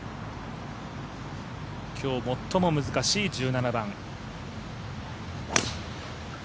今日最も難しい１７番。